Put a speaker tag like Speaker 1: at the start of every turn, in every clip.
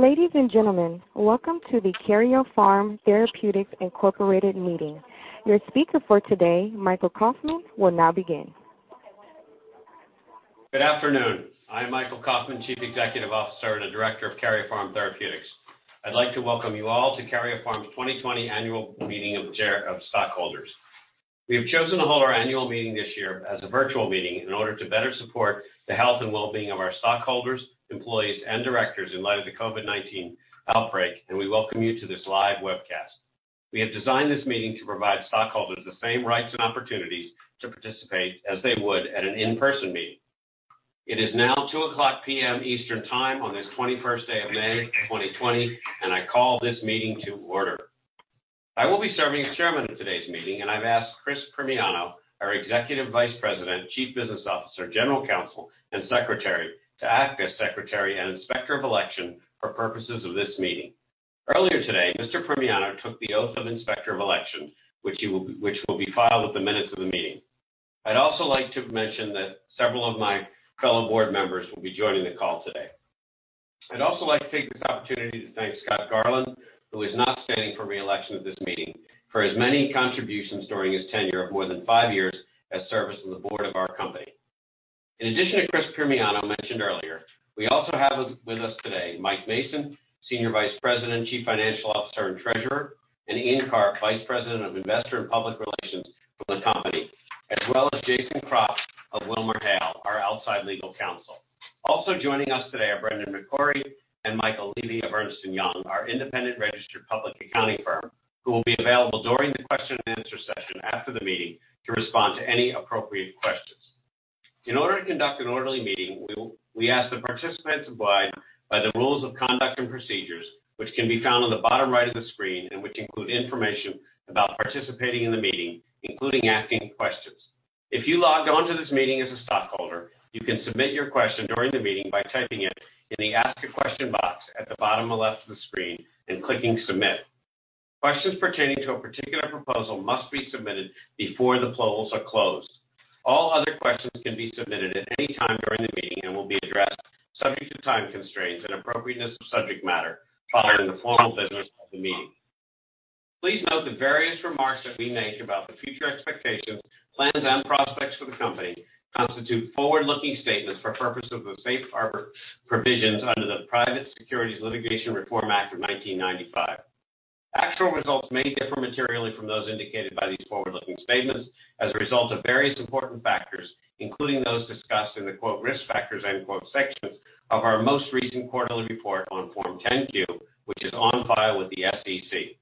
Speaker 1: Ladies and gentlemen, welcome to the Karyopharm Therapeutics, Incorporated meeting. Your speaker for today, Michael Kauffman, will now begin.
Speaker 2: Good afternoon. I'm Michael Kauffman, Chief Executive Officer and Director of Karyopharm Therapeutics. I'd like to welcome you all to Karyopharm's 2020 Annual Meeting of Stockholders. We have chosen to hold our annual meeting this year as a virtual meeting in order to better support the health and well-being of our stockholders, employees, and directors in light of the COVID-19 outbreak, and we welcome you to this live webcast. We have designed this meeting to provide stockholders the same rights and opportunities to participate as they would at an in-person meeting. It is now 2:00 P.M. Eastern Time on this 21st day of May 2020, and I call this meeting to order. I will be serving as chairman of today's meeting, and I've asked Chris Primiano, our Executive Vice President, Chief Business Officer, General Counsel, and Secretary, to act as Secretary and Inspector of Election for purposes of this meeting. Earlier today, Mr. Primiano took the oath of Inspector of Election, which will be filed with the minutes of the meeting. I'd also like to mention that several of my fellow board members will be joining the call today. I'd also like to take this opportunity to thank Scott Garland, who is not standing for re-election at this meeting, for his many contributions during his tenure of more than five years as service on the board of our company. In addition to Chris Primiano mentioned earlier, we also have with us today Mike Mason, Senior Vice President, Chief Financial Officer, and Treasurer, and Ian Karp, Vice President of Investor and Public Relations for the company, as well as Jason Kropp of WilmerHale, our outside legal counsel. Also joining us today are Brendan McCorry and Michael Levy of Ernst & Young, our independent registered public accounting firm, who will be available during the question and answer session after the meeting to respond to any appropriate questions. In order to conduct an orderly meeting, we ask that participants abide by the rules of conduct and procedures, which can be found on the bottom right of the screen and which include information about participating in the meeting, including asking questions. If you logged on to this meeting as a stockholder, you can submit your question during the meeting by typing it in the Ask A Question box at the bottom left of the screen and clicking Submit. Questions pertaining to a particular proposal must be submitted before the polls are closed. All other questions can be submitted at any time during the meeting and will be addressed subject to time constraints and appropriateness of subject matter prior to the formal business of the meeting. Please note that various remarks that we make about the future expectations, plans, and prospects for the company constitute forward-looking statements for purposes of the safe harbor provisions under the Private Securities Litigation Reform Act of 1995. Actual results may differ materially from those indicated by these forward-looking statements as a result of various important factors, including those discussed in the "risk factors" sections of our most recent quarterly report on Form 10-Q, which is on file with the SEC.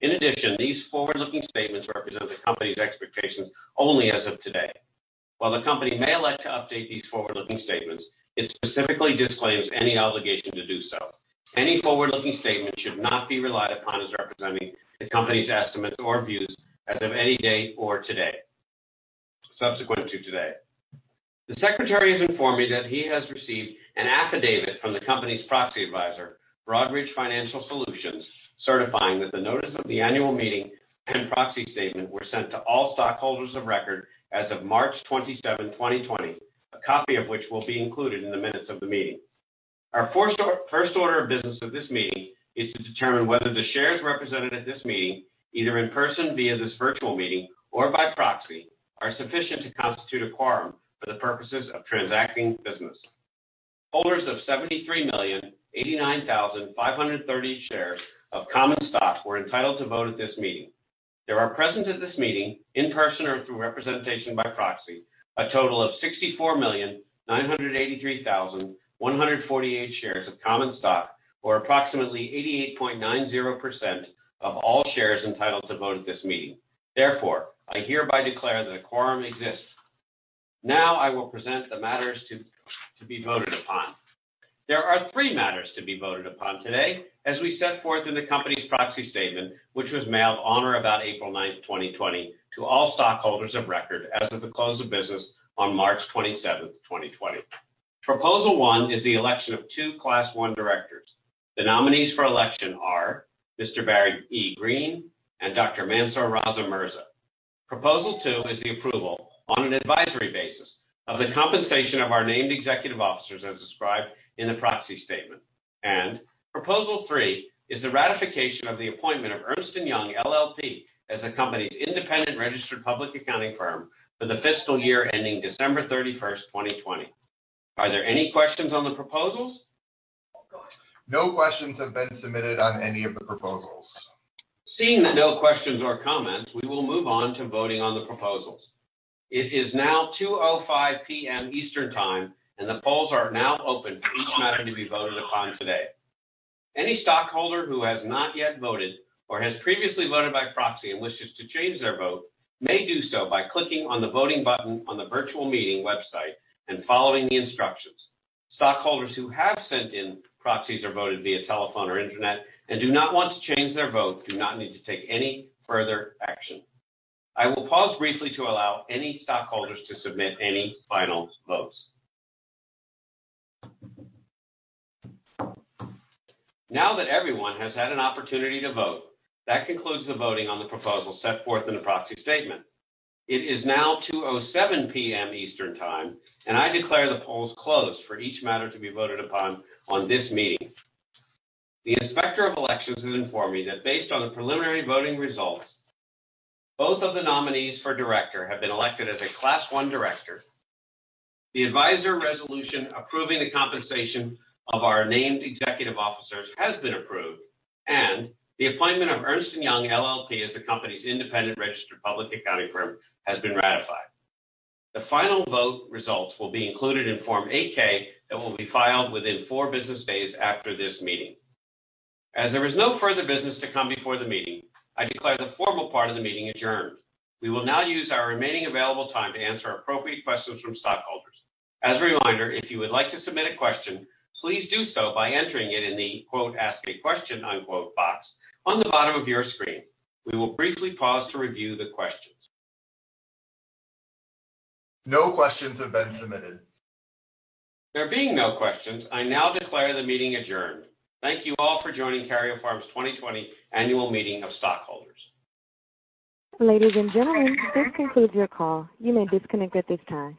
Speaker 2: In addition, these forward-looking statements represent the company's expectations only as of today. While the company may elect to update these forward-looking statements, it specifically disclaims any obligation to do so. Any forward-looking statements should not be relied upon as representing the company's estimates or views as of any date or today, subsequent to today. The Secretary has informed me that he has received an affidavit from the company's proxy advisor, Broadridge Financial Solutions, certifying that the notice of the annual meeting and proxy statement were sent to all stockholders of record as of March 27, 2020, a copy of which will be included in the minutes of the meeting. Our first order of business of this meeting is to determine whether the shares represented at this meeting, either in person via this virtual meeting or by proxy, are sufficient to constitute a quorum for the purposes of transacting business. Holders of 73,089,530 shares of common stock were entitled to vote at this meeting. There are present at this meeting, in person or through representation by proxy, a total of 64,983,148 shares of common stock, or approximately 88.90% of all shares entitled to vote at this meeting. Therefore, I hereby declare that a quorum exists. Now I will present the matters to be voted upon. There are three matters to be voted upon today, as we set forth in the company's proxy statement, which was mailed on or about April 9th, 2020, to all stockholders of record as of the close of business on March 27th, 2020. Proposal one is the election of two Class I directors. The nominees for election are Mr. Barry E. Greene and Dr. Mansoor Raza Mirza. Proposal two is the approval, on an advisory basis, of the compensation of our named executive officers as described in the proxy statement. Proposal III is the ratification of the appointment of Ernst & Young LLP as the company's independent registered public accounting firm for the fiscal year ending December 31st, 2020. Are there any questions on the proposals?
Speaker 3: No questions have been submitted on any of the proposals.
Speaker 2: Seeing that no questions or comments, we will move on to voting on the proposals. It is now 2:05 P.M. Eastern Time. The polls are now open for each matter to be voted upon today. Any stockholder who has not yet voted or has previously voted by proxy and wishes to change their vote may do so by clicking on the voting button on the virtual meeting website and following the instructions. Stockholders who have sent in proxies or voted via telephone or internet and do not want to change their vote do not need to take any further action. I will pause briefly to allow any stockholders to submit any final votes. Now that everyone has had an opportunity to vote, that concludes the voting on the proposals set forth in the proxy statement. It is now 2:07 PM Eastern Time. I declare the polls closed for each matter to be voted upon on this meeting. The Inspector of Elections has informed me that based on the preliminary voting results, both of the nominees for director have been elected as a Class I director. The advisor resolution approving the compensation of our named executive officers has been approved. The appointment of Ernst & Young LLP as the company's independent registered public accounting firm has been ratified. The final vote results will be included in Form 8-K that will be filed within four business days after this meeting. As there is no further business to come before the meeting, I declare the formal part of the meeting adjourned. We will now use our remaining available time to answer appropriate questions from stockholders. As a reminder, if you would like to submit a question, please do so by entering it in the "ask a question" box on the bottom of your screen. We will briefly pause to review the questions.
Speaker 3: No questions have been submitted.
Speaker 2: There being no questions, I now declare the meeting adjourned. Thank you all for joining Karyopharm's 2020 Annual Meeting of Stockholders.
Speaker 1: Ladies and gentlemen, this concludes your call. You may disconnect at this time.